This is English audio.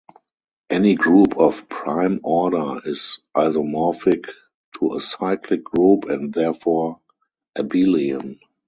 Any group of prime order is isomorphic to a cyclic group and therefore abelian.